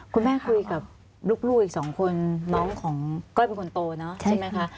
คุณแม่คุยกับลูกลูกอีกสองคนน้องของก้อยเป็นคนโตใช่ไหมคะ